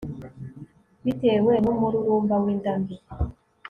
bitewe numururumba winda mbi